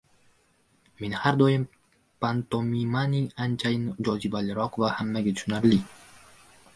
Men har doim pantomimaning anchayin jozibaliroq va hammaga tushunarli